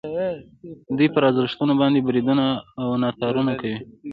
دوی پر ارزښتونو باندې بریدونه او ناتارونه کوي.